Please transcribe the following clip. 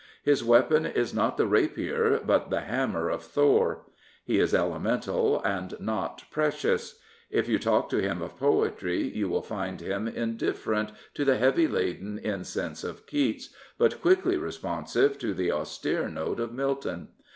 His weapon is not the r^er, but the hammer of Thor. He is elemental and not " precious." If you talk to him of poetry you will find him indifferent to the heavy laden incense of Keats, but quickly responsive to the au^ere note of Milton.